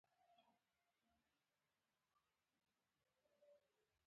چې حق پلورل کېږي ماته یې هم واخله